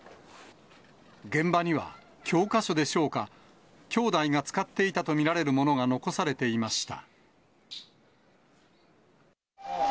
現場には教科書でしょうか、兄弟が使っていたと見られるものが残されていました。